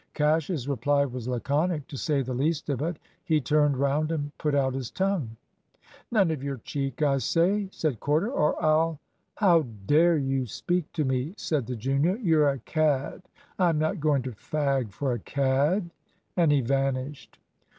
Cash's reply was laconic, to say the least of it. He turned round and put out his tongue. "None of your cheek, I say," said Corder, "or I'll " "How dare you speak to me!" said the junior; "you're a cad I'm not going to fag for a cad." And he vanished.